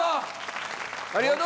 ありがとう！